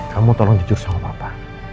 kamu tolong jujur sama bapak